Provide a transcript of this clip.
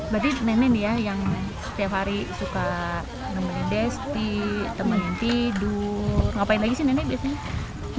berarti nenek yang setiap hari suka menemani desti teman yang tidur ngapain lagi sih nenek biasanya